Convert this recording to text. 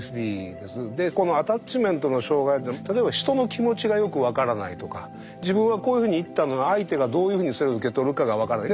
でこのアタッチメントの障害というのは例えば人の気持ちがよく分からないとか自分はこういうふうに言ったのに相手がどういうふうにそれを受け取るかが分からない。